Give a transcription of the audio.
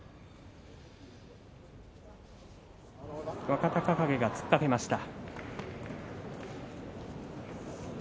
若隆景が突っかけました。